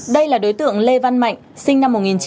đây là đối tượng lê văn mạnh